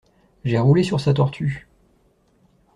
J'ai roulé sur sa tortue.